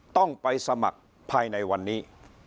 ต้องไปสมัครภายในวันนี้